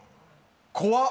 怖っ！